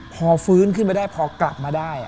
พอฟื้นขึ้นมาได้พอกลับมาได้